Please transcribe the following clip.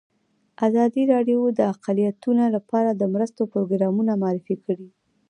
ازادي راډیو د اقلیتونه لپاره د مرستو پروګرامونه معرفي کړي.